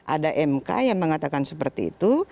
ada mk yang mengatakan seperti itu